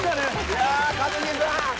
いやあ一茂さん。